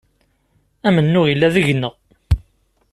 Amennuɣ, yella deg-neɣ.